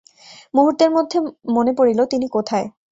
মুহূর্তের মধ্যে মনে পড়িল, তিনি কোথায়।